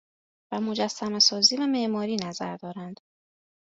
و مجسمهسازی و معماری نظر دارند